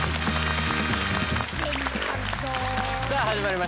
さあ始まりました